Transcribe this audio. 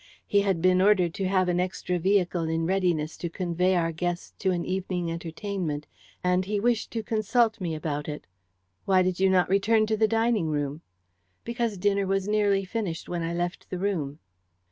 He had been ordered to have an extra vehicle in readiness to convey our guests to an evening entertainment, and he wished to consult me about it." "Why did you not return to the dining room?" "Because dinner was nearly finished when I left the room."